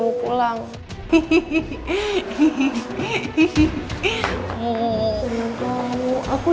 mau suruh kamu pulang